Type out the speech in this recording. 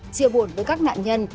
chia buồn với các nạn nhân